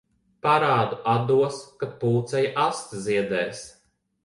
Parādu atdos, kad pūcei aste ziedēs.